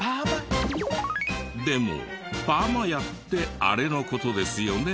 でも「ぱあまや」ってあれの事ですよね？